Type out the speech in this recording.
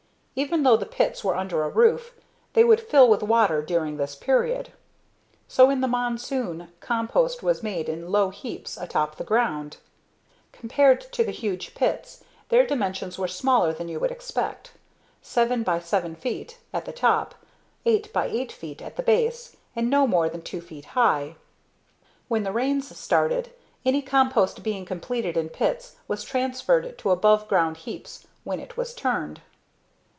Even though the pits were under a roof, they would fill with water during this period. So in the monsoon, compost was made in low heaps atop the ground. Compared to the huge pits, their dimensions were smaller than you would expect: 7 x 7 feet at the top, 8 x 8 feet at the base and no more than 2 feet high. When the rains started, any compost being completed in pits was transferred to above ground heaps when it was turned.